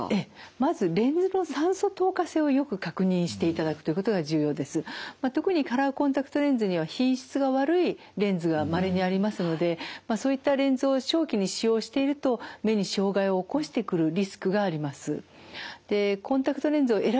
まあ特にカラーコンタクトレンズには品質が悪いレンズがまれにありますのでそういったレンズを長期に使用していると目に障害を起こしてくるリスクがあります。